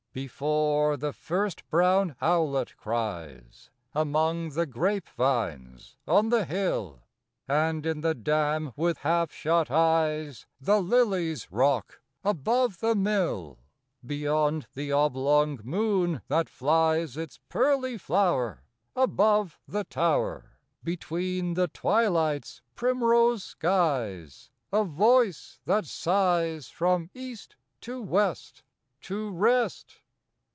Before the first brown owlet cries Among the grape vines on the hill, And in the dam with half shut eyes The lilies rock above the mill; Beyond the oblong moon, that flies Its pearly flower above the tower, Between the twilight's primrose skies, A voice that sighs from east to west "To rest!